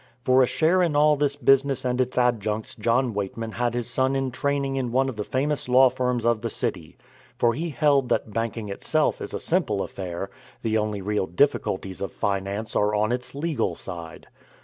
For a share in all this business and its adjuncts John Weightman had his son in training in one of the famous law firms of the city; for he held that banking itself is a simple affair, the only real difficulties of finance are on its legal side.